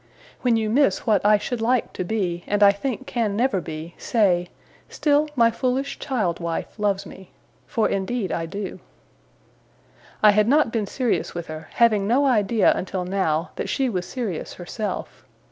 When you miss what I should like to be, and I think can never be, say, "still my foolish child wife loves me!" For indeed I do.' I had not been serious with her; having no idea until now, that she was serious herself.